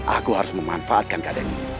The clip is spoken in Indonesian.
aku harus memanfaatkan keadaan ini